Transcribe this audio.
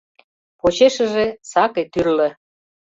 — Почешыже — сакый тӱрлӧ.